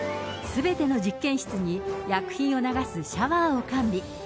すべての実験室に、薬品を流すシャワーを完備。